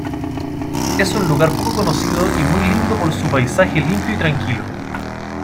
Es un lugar poco conocido y muy lindo por su paisaje limpio y tranquilo.